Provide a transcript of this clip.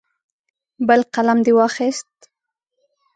بل قلم دې واخیست.